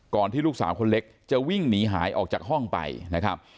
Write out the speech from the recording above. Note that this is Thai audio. ที่ลูกสาวคนเล็กจะวิ่งหนีหายออกจากห้องไปนะครับ